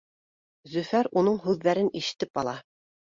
Зөфәр уның һүҙҙәрен ишетеп ала